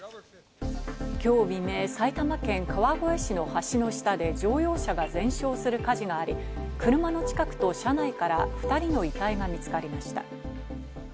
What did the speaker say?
今日未明、埼玉県川越市の橋の下で乗用車が全焼する火事があり、車の近くと車内から２人の遺体が見つかりました。